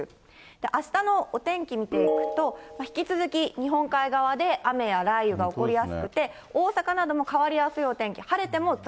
あしたのお天気見ていくと、引き続き日本海側で雨や雷雨が起こりやすくて、大阪なども変わりやすいお天気。